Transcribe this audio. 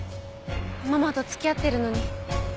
ママと付き合ってるのに。